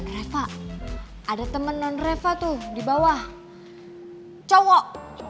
reva ada teman non reva tuh di bawah cowok